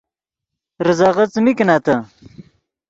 ریزغے څیمین کینتّے